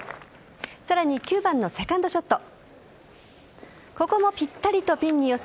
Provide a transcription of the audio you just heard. さらに９番のセカンドショット。